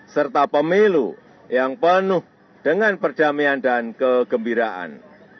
serta pemilu yang penuh dengan perdamaian dan kegembiraan